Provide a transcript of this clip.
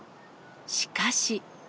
しかし。